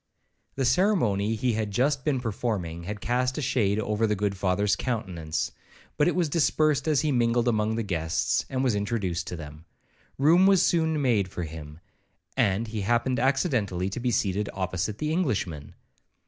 The ceremony he had just been performing, had cast a shade over the good Father's countenance, but it dispersed as he mingled among the guests, and was introduced to them. Room was soon made for him, and he happened accidentally to be seated opposite the Englishman.